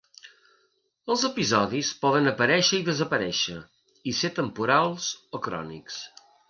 Els episodis poden aparèixer i desaparèixer, i ser temporals o crònics.